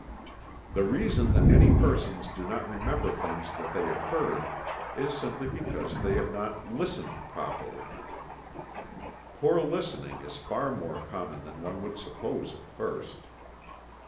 The reason that many persons do not remember things that they have heard is simply because they have not listened properly. Poor listening is far more common than one would suppose at first.